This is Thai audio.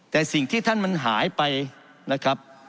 แต่สิ่งที่ท่านมันหายไปนะครับ